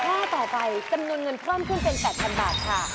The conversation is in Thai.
ข้อต่อไปจำนวนเงินเพิ่มขึ้นเป็น๘๐๐๐บาทค่ะ